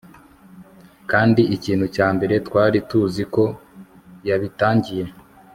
kandi ikintu cya mbere twari tuzi ko yabitangiye